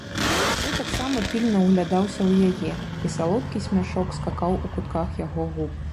Той таксама пільна ўглядаўся ў яе, і салодкі смяшок скакаў у кутках яго губ.